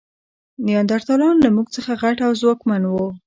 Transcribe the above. نیاندرتالان له موږ څخه غټ او ځواکمن وو.